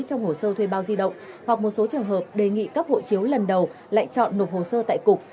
trong hồ sơ thuê bao di động hoặc một số trường hợp đề nghị cấp hộ chiếu lần đầu lại chọn nộp hồ sơ tại cục